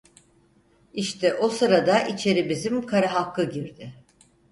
İşte o sırada içeri bizim Kara Hakkı girdi.